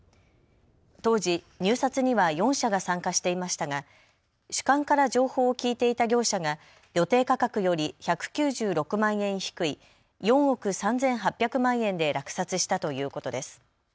当時、入札には４社が参加していましたが主幹から情報を聞いていた業者が予定価格より１９６万円低い４億３８００万円で落札したということです。